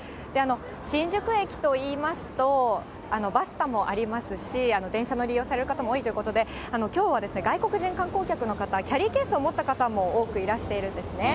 新宿駅といいますと、バスタもありますし、電車の利用される方も多いということで、きょうは外国人観光客の方、キャリーケースを持った方も多くいらしているんですね。